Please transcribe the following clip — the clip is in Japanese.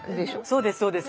そうですそうです。